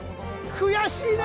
悔しいね